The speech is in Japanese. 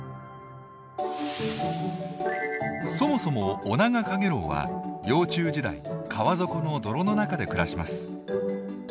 そもそもオナガカゲロウは幼虫時代川底の泥の中で暮らします。